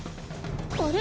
あれ？